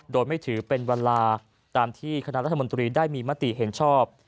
โดยไม่ถือเป็นเวลาตามที่คณะรัฐมนตรีได้มีมติเห็นชอบ